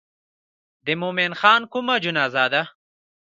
د مومن خان کومه جنازه ده.